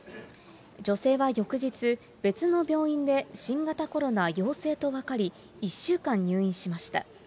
女性は翌日、別の病院で新型コロナ陽性と分かり、１週間入院しました。